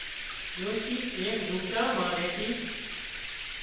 ڏوشي ايڪ زونپڙا مان ريتي